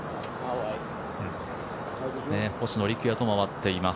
星野陸也と回っています。